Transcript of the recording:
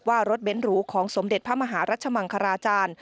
ว่ารถเบ้นหรูของสมเด็จพระมหารัชมังคราจารย์